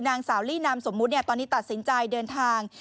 นางสาวลี่นามสมมุติตอนนี้ตัดสินใจเดินทาง